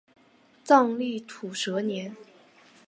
藏历土蛇年。